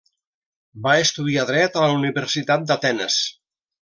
Va estudiar dret a la Universitat d'Atenes.